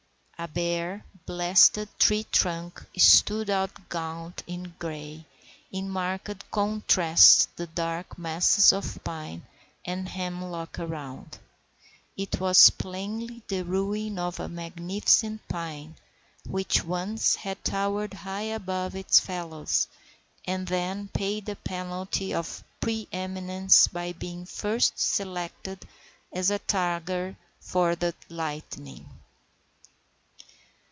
A bare, blasted tree trunk stood out gaunt and gray, in marked contrast to the dark masses of the pine and hemlock around. It was plainly the ruin of a magnificent pine, which once had towered high above its fellows, and then paid the penalty of its pre eminence by being first selected as a target for the lightning.